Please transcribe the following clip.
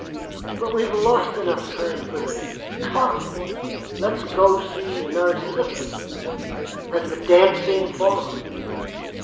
But we've lost enough time for one day. Come; let's go see 'Narcissus' and the 'Dancing Faun.'"